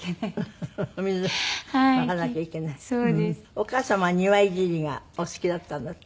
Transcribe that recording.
お母様は庭いじりがお好きだったんだって？